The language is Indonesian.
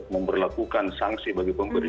memberlakukan sanksi bagi pemberi